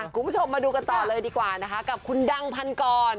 คุณผู้ชมมาดูกันต่อเลยดีกว่านะคะกับคุณดังพันกร